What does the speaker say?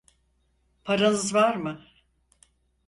Paranız var mı?